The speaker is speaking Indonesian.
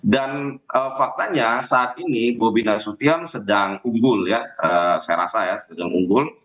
dan faktanya saat ini bobi nasution sedang unggul ya saya rasa ya sedang unggul